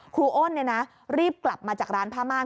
ครูอ้นเนี่ยนะรีบกลับมาจากร้านพระม่าน